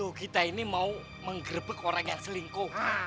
yuk kita ini mau menggrebek orang yang selingkuh